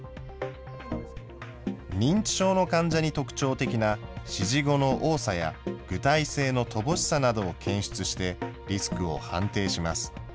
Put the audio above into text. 認知症の患者に特徴的な指示語の多さや、具体性の乏しさなどを検出して、リスクを判定します。